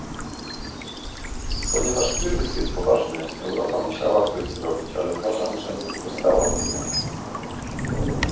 Ponieważ kryzys jest poważny, Europa musiała coś zrobić, ale uważam, że nie sprostała wyzwaniu